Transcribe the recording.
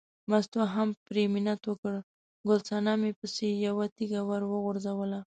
مستو هم پرې منت وکړ، ګل صنمې پسې یوه تیږه ور وغورځوله.